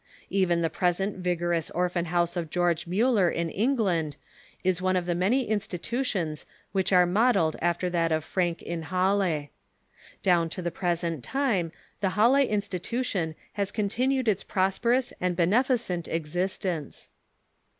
Even the present vigorous Orphan house of George Miiller in England is one of the many institutions which are modelled after that of Francke in Halle. Down to the present time the Halle institution has continued its prosperous and beneficent existence.